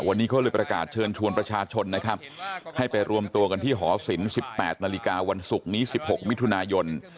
วันนี้เขาเลยประกาศเชิญชวนประชาชนนะครับให้ไปรวมตัวกันที่หอศิลป์๑๘นาฬิกาวันศุกร์นี้๑๖มิถุนายน